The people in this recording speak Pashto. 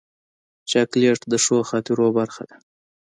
چاکلېټ د ښو خاطرو برخه ده.